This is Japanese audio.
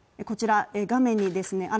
こちら画面にですね